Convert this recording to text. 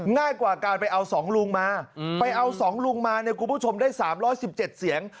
ง่ายกว่าการไปเอา๒ลุงมาไปเอา๒ลุงมาเนี่ยคุณผู้ชมได้๓๑๗เสียง